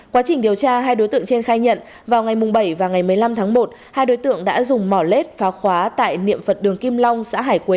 quá trình điều tra hai đối tượng trên khai nhận vào ngày bảy và ngày một mươi năm tháng một hai đối tượng đã dùng mỏ lết phá khóa tại niệm phật đường kim long xã hải quế